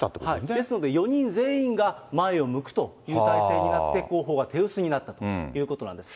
ですから４人全員が前を向くという態勢になって、後方が手薄になったということなんです。